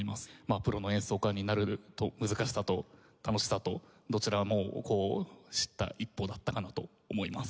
プロの演奏家になる難しさと楽しさとどちらも知った一歩だったかなと思います。